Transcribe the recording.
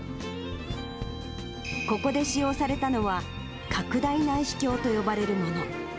ここで使用されたのは、拡大内視鏡と呼ばれるもの。